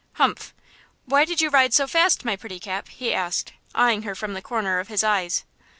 "Humph! Why did you ride so fast, my pretty Cap?" he asked, eyeing her from the corner of his eyes.